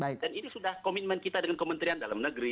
dan ini sudah komitmen kita dengan kementerian dalam negeri